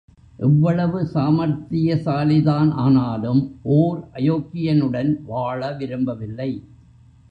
எவ்வளவு சாமர்த்தியசாலிதான் ஆனாலும், ஓர் அயோக்கியனுடன் வாழ விரும்பவில்லை.